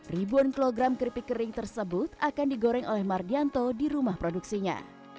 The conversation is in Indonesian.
ribuan kilogram keripik kering tersebut akan digoreng oleh mardianto di rumah produksinya